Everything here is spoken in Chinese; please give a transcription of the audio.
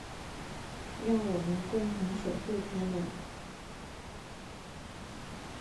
让我们共同守护她们。